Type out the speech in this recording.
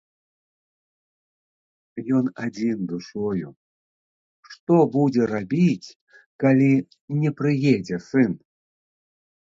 Ён адзін душою, што будзе рабіць, калі не прыедзе сын?